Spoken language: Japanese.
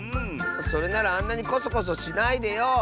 それならあんなにこそこそしないでよ！